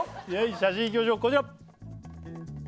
写真いきましょうこちら！